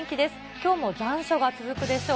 きょうも残暑が続くでしょう。